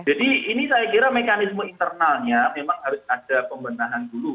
jadi ini saya kira mekanisme internalnya memang harus ada pembenahan dulu